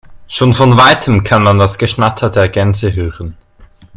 Schon von weitem kann man das Geschnatter der Gänse hören.